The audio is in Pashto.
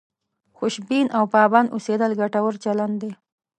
خوشبین او پابند اوسېدل ګټور چلند دی.